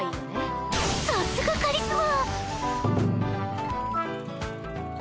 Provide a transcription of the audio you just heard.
新井：さすがカリスマ！